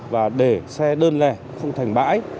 và để xe đơn lè không thành bãi